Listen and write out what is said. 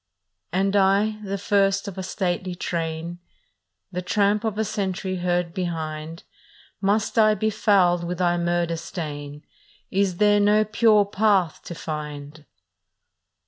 " And I, the first of a stately train, The tramp of a century heard behind, Must I be fouled with thy murder stain? Is there no pure path to find?